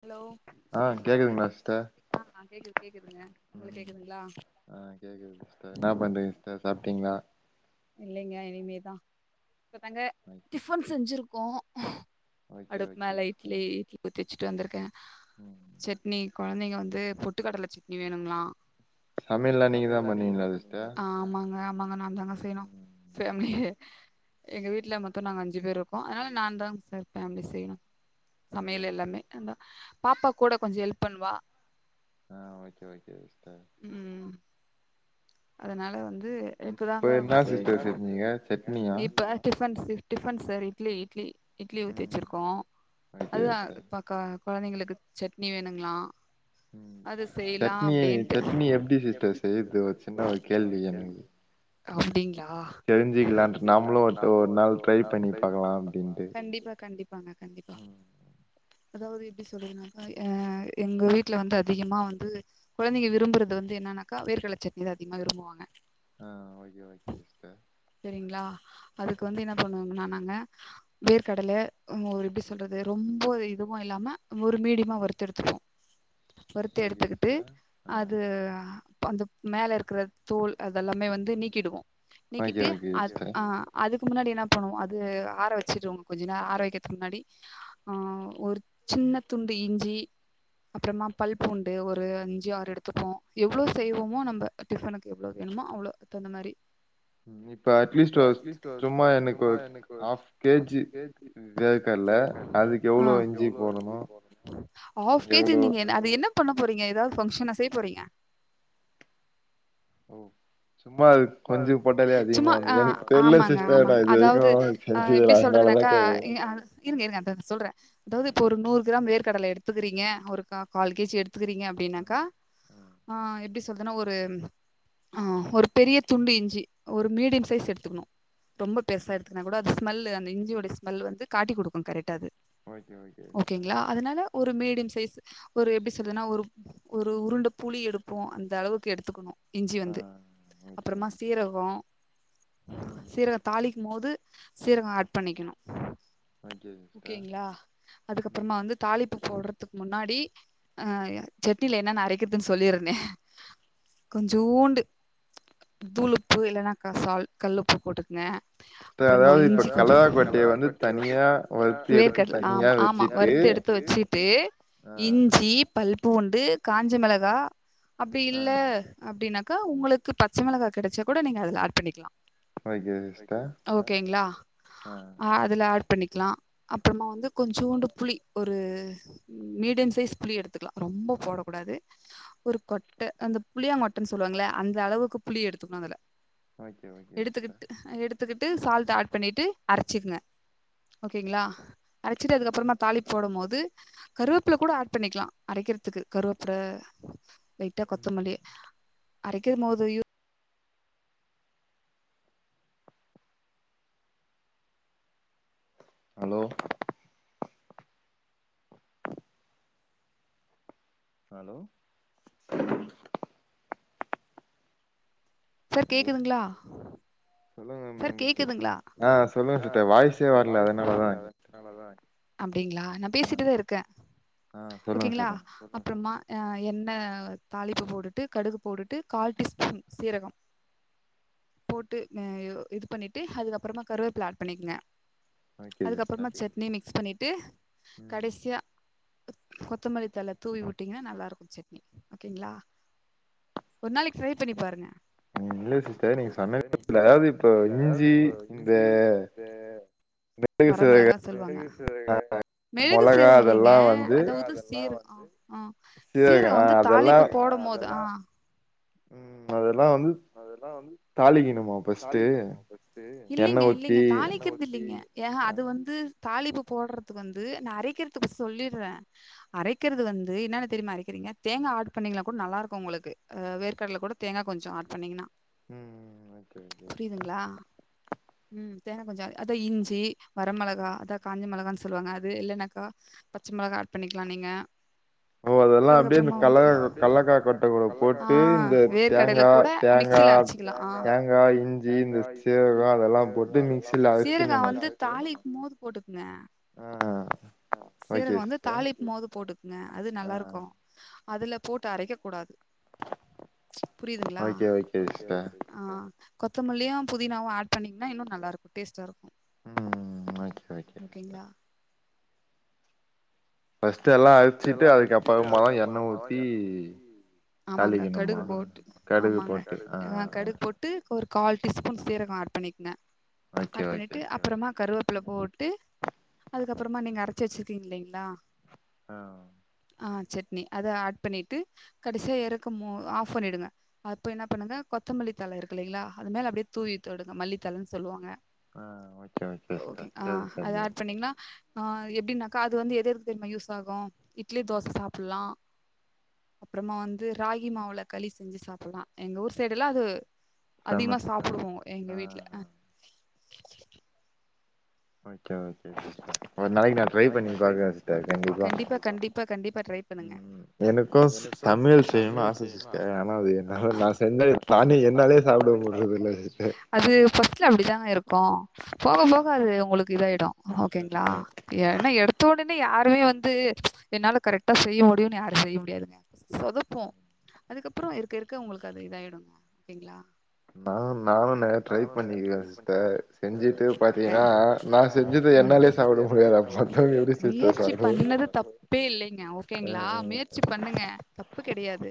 Hello ச கேக்குதுங்களா ஆஹ் ஹலோ ஆ‌ ஆ கேக்குது கேக்குதுங்க. உங்களுக்கு கேக்குதுங்களா? இல்லைங்க இனிமேதா. இப்ப தாங்க டிஃபன் செஞ்சிரு க்கோ அடுப்பு மேல இட்லி இட்லிக்கி ஊத்தி வச் ட்டு வந்திருக்கே சட்னி கொழந்தைங்க வந்து பொட்டுக்கடல சட்னி வேணுங்களா சமையல்லா நீங்கதா பண்ணுவீங்களா சிஸ்டர்? ஆமாங்க நாந்தா செய்யணு பேம்லிக்கே. எங்க வீட்ல மொத்தோ நாங்க அஞ்சு பேர் இருக்கோ அதனால நாந்தாங் சார் ஃபேம்லி செய்யணு ஓகே ஓகே ஓகே பாப்பா கூட கொஞ்ச ஹெல்ப் பண்ணுவா. ஆ ஓகே ஓகே சிஸ் டர் அதனால வந் து இப்பதாங்க சேரின் சொ இப்பதா டிஃபன் செ டிஃபன் சார் இட்லி இட்லி. இட்லி ஊத்தி வச்சிருக்கோ. அதுதா பாக்க கொழந்தைங்களுக்கு சட்னி வேணுங்களா ம் சட்னி சட்னி எப்டி சிஸ்டர் செய்றது ஒரு சின் ன ஒரு கேள்வி எனக்கு அப்டிங்ன்டா கண்டிப்பா கண்டிப்பா கண்டிப்பாங்க கண்டிப்பா அதாவது எப்டி சொல்றதுனாக்கா ஆ எங்க வீட்ல வந்து அதிகமா வந்து கொழந்தைங்க விரும்புறது வந்து என்னனாக்கா வேர்கடல சட் னிதா அதிகமா விரும்புவாங்க. ஆ ஓகே ஓகே சிஸ்டர் லா அதுக்கு வந்து என்ன பண்ணுவங்கன்னா நாங்க வேர்க்கடல இப்படி சொல்றது ரொம்ப இதுவு இல்லாம ஒரு மீடியமா வருத்த எடுத்துக்குவோ வறுத்து எடுத்துக்கிட்டு அது பந்து மேல இருக்கற தோல் அதெல்லாமே வந்து நீக்கிடுவோ நீக்கிட்டு அது அ அது முன்னாடி என்ன பண்ணுவோ அது ஆற வெச்சுடுவோ கொஞ்ஜ நேர ஆரவக்கத்துக்கு முன்னாடி ஹ ஒரு சின்ன துண்டு இஞ்சி அப்றமா பல் பூண்டு ஒரு அஞ்சு ஆறு எடுத்துப்போ எவ்ளோ செய்வோ நம்ம டிஃபெனுக்கு எவ்ளோ வேணுமோ அவ்ளோ தவுந்தமாரி அப்ப அட்லிஸ்ட் ஒர் சும்மா எனக் ஒர் ஹாப் கேஜி வேர்கல்ல அதுக் எவ்ளோ இஞ்சி போட்ணு ஹாப் கேஜி நீங்க என்ன அது என்ன பண்ண போறீங்க ஏதாது பங்ஷனா செய்ய போறீங்க ஓ சும்மா அது கொஞ்ஜோ போட்டாலே அதிகமாவுது எனக்கு தெரில சிஸ்டர் நா இதுவெரிக்கு செஞ்சதுல அதனாலதா கேக்கறே இருங்க இருங்க அத சொல்றே அதாவது இப்ப ஒரு நூறு க்ராம் வேர்கடல எடுத்துக்குறீங்க ஒரு கால் கேஜி எடுத் டுகிறீங்க அப்டினாக்கா ஆ எப்டி எதனா ஒரு ஆ ஒரு பெரிய துண்டு இஞ்சி ஒரு மீடியம் சைஸ்ல எடுத்துக்கணு ரொம்ப பெருசா எடுத்தனா கூட அது ஸ்மெல் அந்த இஞ்சியோட ஸ்மெல் வந்து காட்டி குடுக்கு கரெக்டா அது ஓகேங்களா அதனால ஒரு மீடியம் சைஸ் ஒரு எப்டி சொல்லதுனா ஒரு ஒரு உருண்ட புளி எடுப்போ அந்த அளவுக்கு எடுத்துக்குனு இஞ்சி வந்து அப்றமா சீரகோ சீரக தாளிக்கும் போ போது சீரகம் ஏட் பண்ணிகனு ஓகேங்களா அதுக்கப்பறமா வந்து தாளிப்பு போட்ற துக்கு முன்னாடி அ செட்னில என்னன்ன அரெக்கதுன்னு சொல்லிர்ரனே கொஞ்சூண்டு தூள் உப்பு இல்லனா க சால்ட் கல்லுப்பு போட்டுகங்க அப்றமா இஞ்சி கொஞ்ஜொ வேர்கட்ல ஆம ஆமா வறுத்து எடுத்து வெச்சுட்டு இஞ்சி பல் பூண்டு காஞ்ச மெளகா அப்டி இல்ல அப்டினா கா உங்களுக் பச்ச மெளகா கெடச்சா கூட நீங்க அதுல ஏட் பண்ணிக்கலா ஓகேங்களா அ அதுல ஏட் பண்ணி ல அப்றமா வந்து கொஞ்சுண்டு புளி ஒரு மீடியம் சைஸ் புளி எடுத்துக்கலா ரொம்ப போடக்கூடாது ஒரு கொட்ட அந்த புளியங் கொட்டனு சொல்லுவாங்கள அந் அந்த அளவுக்கு புளி எடுத்துக்கனு அதுல ஓகே ஓகே சிஸ்டர் கத்துகிட்டு சால்ட் ஏட் பண்ணிட்டு அரச்சிக்கங்க ஓகேங்களா அரச்சிட்டு அதுக்கப்றமா தாலிப் போடும் போது கருவேப்புல கூட ஏட் பண்ணிக்லா அரைக்கிறதுக்கு கருவேப்ல லைட்டா கொத்தமல்லி அரைக் க்கு மோதயூ ஹலோ ஹலோ சர் கேக்குதுங்களா சர் கேக்குதுங்களா டீங்களா நா பேசிட்டு தா இருக்கே ஓகேங்களா அப்பறமா எண்ணெ தாளிப்பு போட்டுட்டு கடுகு போட்டுட்டு கால் டீஸ்பூன் சீரகம் போட்டு அ இது பண்ணிட்டு அதுக்கப்பறமா கருவேப்பல ஏட் பண்ணிக்கிங்க அதுக்கப்பறமா சட்னி மிக்ஸ் பண்ணிட் டு கடைசியா கொத்தமல்லித்தல தூவி உட்டீங்கன்னா நல்லா இருக்கு சட்னி ஓகேங்களா ஒரு நாளைக்கு ட்ரை பண்ணி பாருங்க வர மெளகா சொல்லுவாங்க மிளகு சீரக இல்லங்க அதாவது சீரு ஓ ஆ சீரக வந்து தாலிப்பு போடும் போது ஆ ம் அத இல்லிங்க இல்லிங்க தாளிக்கிறது இல்லங்க ஏ அ அது வந்து தாளிப்பு போடுறதுக்கு வந்து நா அரைக்கிறதுக்கு சொல்லிட்றே அரைக்கிறது வந்து என்னன்ன தெரியுமா அரைக்கிறீங்க தேங்கா ஏட் பண்ணீங்கன்னா கூட நல்லா இருக்கு உங்களுக்கு வேர்கல்ல கூட தேங்கா கொஞ்ச ஏட் பண்ணிங்ன்னா ம் ம் ம் ஓகே ஓகே ம் தேங்க கொஞ்ச அதா இஞ்சி வர மிளகா அதா காஞ்ச மிளகான்னு சொல்லுவாங்க அது இல்லன்னாக்கா பச்சை மிளகா ஏட் பண்ணிக்லா நீங்க ஓ அதெல்லா அப்டியே இந்த கல்லக்கா கல்லக்கா கொட்ட கூட போட்டு இந்த தேங்கா தேங்கா தேங்கா இஞ்சி இந்த சீரக அத எல்லா போட்டு மிக்சில அரச்சிணும்மா சிஸ்டர் போட்டுக் ங்க சீரகம் வந்து தாளிக் மபோது போட்டுக்குங்க அது நல்லா இருக்கு அதுல போட்டு அரைக்கக் கூடாது புரியுதுங்ளா ஓகே ஓகே ஆ கொத்தமல்லியு புதினாவு ஆட் பண்ணிங்கன்னா இன்னு நல்லாருக்கு டேஸ்டாருக்கும் ஓகேங்ளா பஸ்ட் எல்லா அரிச்சிட்டு அதுக்கு அப்பறமாதா எண்ணய் ஊத்தி ஆமாங்க கடுகு போட்டு ஆமாங்க ஆ கடுகு போட்டு ஒரு கால் டீஸ்பூன் சீரகம் ஆட் பண்ணிக்கங்க ஆட் பண்ணிட்டு அப்புறமா கருவேப் ப்ல போட்டு அதுக்கப்புறமா நீங்க அரைச்சு வச்சிருக்கீங்க இல்லைங்களா ஆ ஆ சட்னி அத ஆட் பண்ணிட்டு கடைசியா இறக்க மோ ஆஃப் பண்ணிடுங்க அப்ப என்ன பண்ணுங்க கொத்தமல்லித்தழ இருக்கு இலைங்களா அது மேல் அப்படியே தூவி தொடுங்க மல்லித்தழன்னு சொல்லுவாங்க ஓகே ஆ அத ஆட் பண்ணீங்கனா ஆ எப்படின்னாக்கா அதுவந்து எதுதெக்கு தெரிமா யூஸ் காகு இட்லி தோச சாப்டலா அப்புறமா வந்து ராகி மாவுல களி செஞ்சு சாப்டலா எங்க ஊர் சைடுல்லா அது அதிகமா சாப்டுவோ எங்க வீட்டுல [unintelligible] ஒரு நாளைக்கு நா ட்ரை பண்ணி பாக்றே சிஸ்டர் கண்டிப்பா கண்டிப்பா கண்டிப்பா ட்ரை பண்ணுங்க எனக்கோ சமயல் செய்யணு ஆச சிஸ்டர் ஆனா நா செஞ்சத என்னாலே சாப்ட முடியல அது ஃபஷ்சுடுல அப்புடி தாங்க இருக்கு போக போக அது உங்களுக் கிர இட ஓகேங்களா என்ன எடுத்தோடு இல்ல யாருமே வந்து என்னால கரெக்டா செய்ய முடியு யாரு செய்ய முடியாது சொதப்பு அதுக்கப்புற இருக்க இருக்க உங்களுக்கு அது இதாயிடு ஓகேங்களா நானு நானு நெறய ட்ரை பண்ணிக்கே சிஸ்டர் செஞ்சுட்டு பாத்தீங்கன்னா நான் செஞ்சது முயற்ச பண்ணது தப்பே இல்லைங்க ஓகேங்களா முயற்சி பண்ணுங்க தப்பு கெடையாது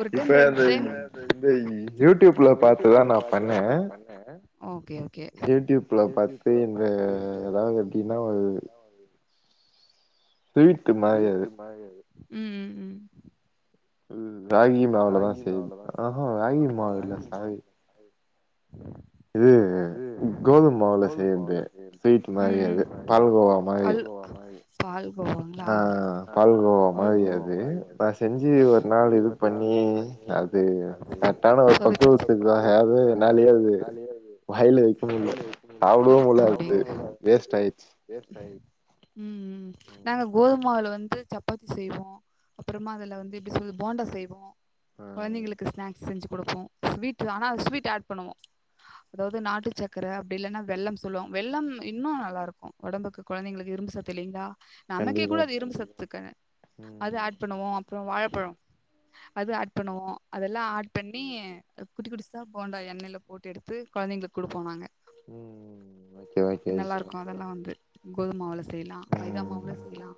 ஒரு டைம் ரெண்ட் டைம் [unintelligible] ப்ல பாத்து தா நா பண்ணே ஓ டியூடுப்ல பாத்து இந்த ஏதாவ அதாவது எப்பிதாவது ஸ்வீட்டு மாரி அது ம் ம் ம் ராகி மாவுலதா செய்து ஆஹா ராகி மாவு இல்ல சாவி இது க் கோதும் மாவுல செய்றது ஸ்வீட் மாரி அது பால்கோவா மாரி பால் ஆ பால்கோவா மாரி அது பா செஞ்சு ஒரு நாள் இது அது [inaudible] அப்டி சு ம் ம் நாங்க கோதும் மாவுல வ ந்து சப்பாத்தி செய்வோ அப்புறமா அதுல வந்து எப்டி சொல்றது போண்டா செய் கொழந்தைகளுக்கு ஸ்நாக்ஸ் செஞ்சு குடுப்போ ஸ்வீட் ஆனா அது ஸ்வீட் ஆட் பண்ணுவோ. அதாவ்து நாட்டுச் சக்கர அப்டி இல்லன்னா வெல்லம் சொல்லுவோ வெல்லம் இன்னு நல்லாருக்கு ஒடம்புக்கு கொழந்தைங்களுக்கு இரும்பு சத்து இல்லைங்களா? நமக்கே கூட அது இரும்பு சத்துக்காக அது ஆட் பண்ணுவோ அப்றோ வாழ ப்றோ அது ஆட் பண்ணுவோ அதெல்லா ஆட் பண்ணி அ குட்டி குட்டிசா போண்டா எண்ணெயில போட்டு எடுத்து கொழந்தைங்களுக்கு குடுப்போ நாங்க. ம் ஓகே ஓகே சிஸ்டர். கோதும் மாவுல செய்லா மைதா மாவுல செய்லா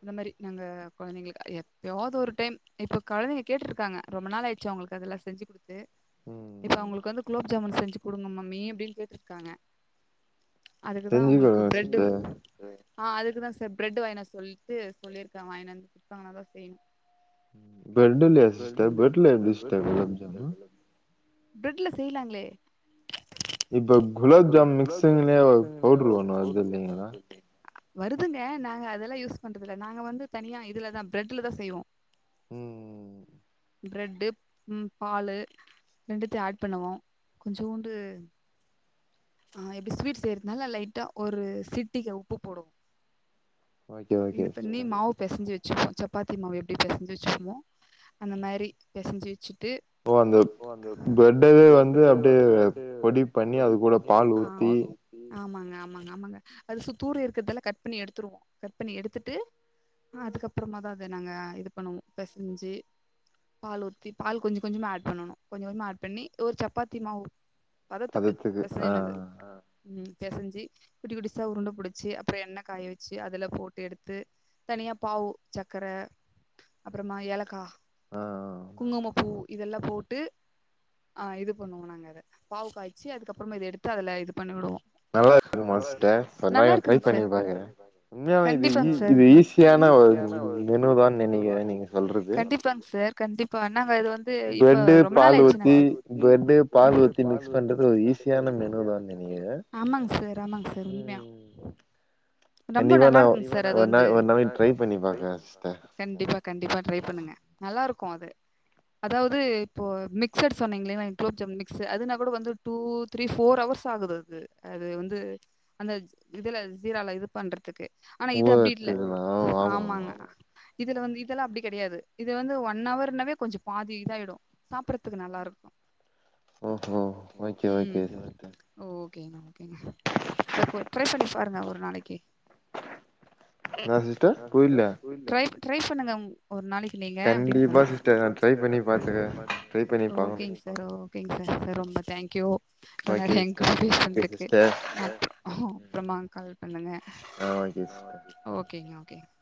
அந்த மாரி நாங்க கொழந்தைங்களுக்கு எப்பயாது ஒரு டைம் இப்ப கொழந்தைங்க கேட்ருக்காங்க ரொம்ப நாள் ஆயிட்ச்சு அவுங்களுக்கு அதெல்லா செஞ்சு குடுத் து இப்ப அவங்களுக்கு வந்து குலோப் ஜாமூன் செஞ்சு குடுங்க மம்மி அப்டின்னு கேட்ருக்காங்க. அதுக்குதா அவுங்களுக்கு பிரெட்டு ஆ அதுக்குதா சார் பிரெட் வாங்கினு வர சொல்ட்டு சொல்லிருக்கே. வாங்கினு வந்து குடுத்தாங்கனாதா தான் செய்யணு. பிரெட்டுலயா சிஸ்டர்? பிரெட்ல எப்டி சிஸ்டர் குலோப்ஜாமு? பிரெட்ல செய்லாங்ளே. இப்ப குலோப்ஜாமு மிக்ஸ்னுனே ஒரு பவுட்ரு ஒன்னு வர்து இல்லைங்களா? வருதுங்க நாங்க அதெல்லா யூஸ் பண்றது இல்ல. நாங்க வந்து தனியா இதுலதா பிரெட்டுலதா செய்வோ. ம் ம் பிரெட்டு் ம் பாலு ரெண்டுத்தையு ஆட் பண்ணுவோ கொஞ்சூண்டு ஆ எப்டி ஸ்வீட் செய்றதுனால லைட்டா ஒரு சிட்டிக உப்பு போடுவோ. Okay okay sister. சுப்போ சப்பாத்தி மாவு எப்டி பெசஞ்சு வச்சுக்குவமோ அந்த மாரி பெசஞ்சு வச்சு ஓ அந்த பிரட்டவே வந்து அப்டியே பொடி பண்ணி அது கூட ஆ ஆமாங்க ஆமாங்க ஆமங்க அது சுத்தூறு இருக்கறதல்ல கட் பண்ணி எடுத்துடுவோ கட் பண்ணி எடுத்துட்டு அதுக்கப்பறமா தா அத நாங்க இது பண்ணுவோ பெசஞ்சு பால் ஊத்தி பால் கொஞ்ச கொஞ்சமா ஏட் பண்ணணு கொஞ்சம் கொஞ்சமா ஏட் பண்ணி ஒரு சப்பாத்தி மாவு பதத்துக்கு புது எனது ஆ ம் பெசஞ்சி குட்டி குட்டசா உருண்ட புடிச்சி அப்ற எண்ணெ காய வச்சு அதுல போட்டு எடுத்து தனியாக பாவு சக்கர அப்பறமா ஏலக்கா குங்குமப்பூ இதெல்லா போட்டு ஆ இது பண்ணுவோ நாங்க அத பாவ காய்ச்சு அதுக்கப் ப்ப இத எடுத்து அதுல இது பண்ணிடுவோ நல்லா இருக்குமா சிஸ்டர் இப்பதா ட்ரை பண்ணி பாக்கற உண்மையாவ இது இது ஈஸியான ஒரு மெனு தா நெனைக்கற நீங்க சொல்றது கண்டிப்பா நாங்க அது வந்து இப்ப ரொம்ப நாள் ஆயிடுச்சு ஆமாங் ஆமாங் சார் உண்மையா ரொம்ப நல்லா இருக்குங் சார் ஒரு அது வந்து கண்டிப்பா கண்டிப்பா ட்ரை பண்ணுங்க நல்லா இருக் இருக்கு அது அதாவது இப்போ மிக்சர் சொன்னீங்களயா க்லோப்ஜாம் மிக்சர் அதுன கூட வந்து டூ த்ரீ ஃபோர் ஹவர்ஸ் ஆகுது அது அது வந்து அந்த இதுல ஜீரால இது பண்றதுக்கு ஆனா இது அப்டி இல்ல ஆமாங்க இதுல வந்து இதெல்லா அப்டி கெடையாது இதலா வந்து ஒன்னர்னாவே கொஞ்ச பாதி இதாயிடு சாப்பறதுக்கு நல்லா இருக்கு ஒ ஓ ஓகே ஓகே சிஸ்டர் ஒகே னு ப்ப ட்ரை பண்ணி பாருங்க ஒரு நாளைக்கு என்னா சிஸ்டர் புரில ட்ரை பண்ணுங்கவுங் ஒரு நாளைக்கு நீங்க அப்டீன் சொன்ன ஓகே சார் ஓகே சார் ரொம்ப தேங்க்யூ இவலோ நர எங்கூட பேசதுக்கு அப்பறமா கால் பண்ணுங்க ஒகே ஒகேங்க